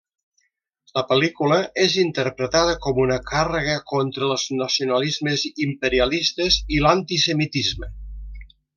La pel·lícula és interpretada com una càrrega contra els nacionalismes imperialistes i l'antisemitisme.